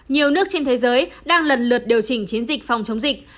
nhiều nước trên thế giới đang lần lượt điều chỉnh chiến dịch phòng chống dịch